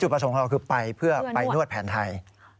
ประสงค์ของเราคือไปนวดแผนไทย